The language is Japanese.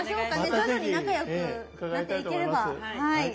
徐々に仲良くなっていければはい。